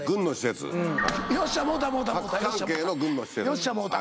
よっしゃもろうた。